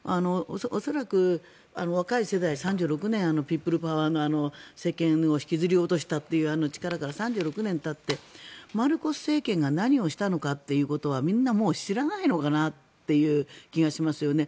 恐らく若い世代、３６年ピープルパワーの政権を引きずり落としたという力から３６年がたってマルコス政権が何をしたのかということはみんな知らないのかなという気がしますね。